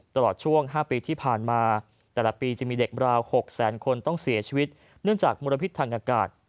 ตลอดช่วง๕ปีที่ผ่านมาแต่ละปีจะมีเด็กราว๖แสนคนต้องเสียชีวิตเนื่องจากมลพิษทางอากาศ